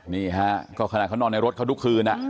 นี่ฮะก็ขนาดเขานอนในรถเขาทุกคืน